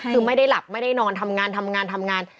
คือไม่ได้หลับไม่ได้นอนทำงานทำงานทำงาน